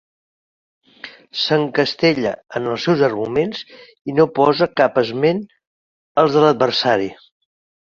S'encastella en els seus arguments i no posa cap esment als de l'adversari.